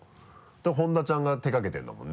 本多ちゃんが手がけてるんだもんね。